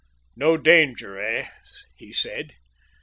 "No danger, eh?" he said.